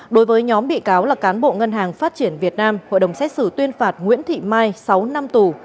đối với nhóm bị cáo là cán bộ ngân hàng phát triển việt nam hội đồng xét xử tuyên phạt nguyễn thị mai sáu năm tù